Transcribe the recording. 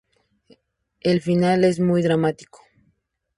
El final es muy dramático.